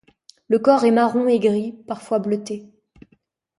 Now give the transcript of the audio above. Le corps est marron et gris parfois bleuté.